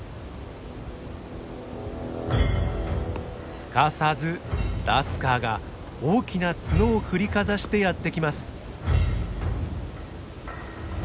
すかさずラスカーが大きな角を振りかざしてやって来ます。